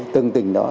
tầng tỉnh đó